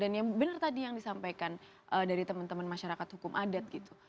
dan yang benar tadi yang disampaikan dari teman teman masyarakat hukum adat gitu